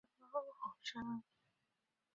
蒙盖亚尔人口变化图示